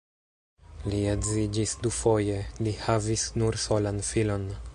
Li edziĝis dufoje, li havis nur solan filon.